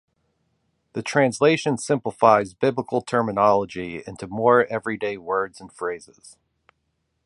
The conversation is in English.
The translation simplifies Biblical terminology into more everyday words and phrases.